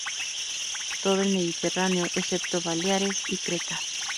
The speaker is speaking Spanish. Todo el Mediterráneo, excepto Baleares y Creta